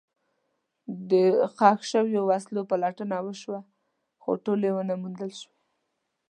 د ښخ شوو وسلو پلټنه وشوه، خو ټولې ونه موندل شوې.